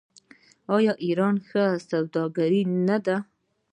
آیا ایرانیان ښه سوداګر نه دي؟